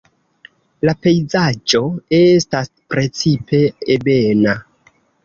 La pejzaĝo estas precipe ebena.